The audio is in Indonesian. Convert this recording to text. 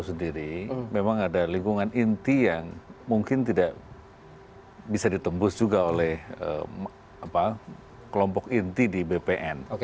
sendiri memang ada lingkungan inti yang mungkin tidak bisa ditembus juga oleh kelompok inti di bpn